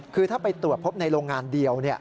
คือถ้าไปตรวจพบในโรงงานเดียว